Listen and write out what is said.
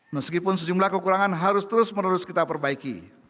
meskipun sejumlah kekurangan harus terus menerus kita perbaiki